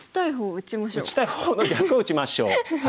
「打ちたい方の逆を打ちましょう」。